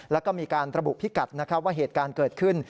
แล้วก็มีการระบุพิกัดนะครับว่าเหตุการณ์เกิดขึ้น